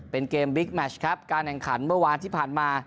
เป็นเกมบิ๊กแมชครับการแข่งขันเมื่อวานที่ผ่านมา